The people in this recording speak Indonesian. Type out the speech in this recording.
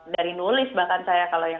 dari nulis bahkan saya kalau yang